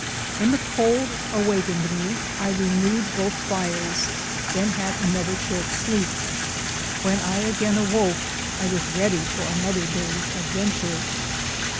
When the cold awakened me I renewed both fires, then had another short sleep. When I again awoke I was ready for another day's adventure.